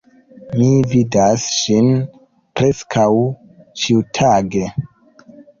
Mi vidas ŝin preskaŭ ĉiutage.